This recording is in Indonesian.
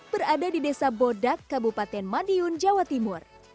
berada di desa bodak kabupaten madiun jawa timur